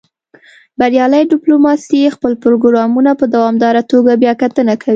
بریالۍ ډیپلوماسي خپل پروګرامونه په دوامداره توګه بیاکتنه کوي